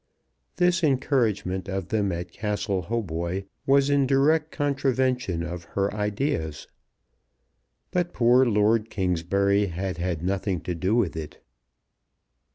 This encouragement of them at Castle Hautboy was in direct contravention of her ideas. But poor Lord Kingsbury had had nothing to do with it.